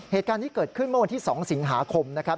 เหตุการณ์นี้เกิดขึ้นเมื่อวันที่๒สิงหาคมนะครับ